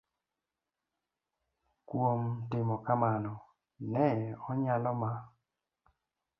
Kuom timo kamano, ne onyalo ma